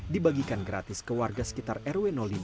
dibagikan gratis ke warga sekitar rw lima